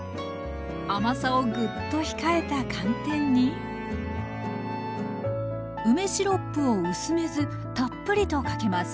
甘さをぐっと控えた寒天に梅シロップを薄めずたっぷりとかけます。